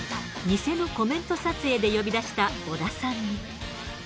ニセのコメント撮影で呼び出した小田さんに。